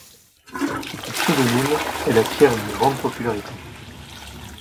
Sous ce pseudonyme, elle acquiert une grande popularité.